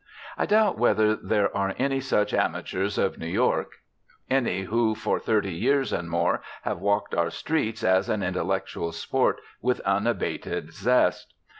I doubt whether there are any such amateurs of New York, any who for thirty years and more have walked our streets as an intellectual sport with unabated zest.